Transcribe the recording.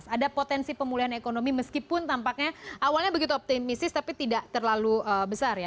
ada potensi pemulihan ekonomi meskipun tampaknya awalnya begitu optimistis tapi tidak terlalu besar ya